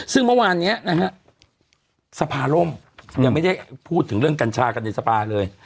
ซึ่งเมื่อวานนี้นะฮะสภาร่มยังไม่ได้พูดถึงเรื่องกัญชากันในสภาเลย